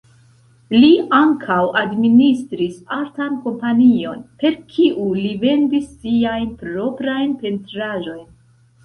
Li ankaŭ administris artan kompanion, per kiu li vendis siajn proprajn pentraĵojn.